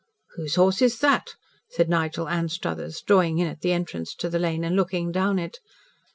"What horse is that?" said Nigel Anstruthers, drawing in at the entrance to the lane and looking down it.